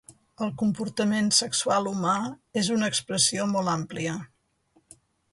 El comportament sexual humà és una expressió molt àmplia.